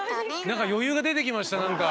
何か余裕が出てきました何か。